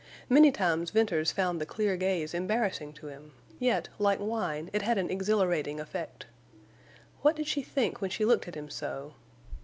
Many times Venters found the clear gaze embarrassing to him, yet, like wine, it had an exhilarating effect. What did she think when she looked at him so?